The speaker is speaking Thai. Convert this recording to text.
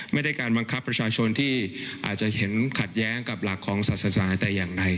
ไม่ได้การบังคับคนที่อาจจะเห็นขัดแย้งกับหลากครองศัตรูสายแต่อย่างใด